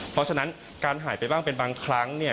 เพราะฉะนั้นการหายไปบ้างเป็นบางครั้ง